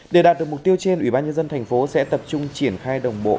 để đạt được mục tiêu trên ủy ban nhân dân tp sẽ tập trung triển khai đồng bộ